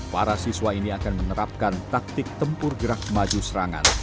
para siswa ini akan menerapkan taktik tempur gerak maju serangan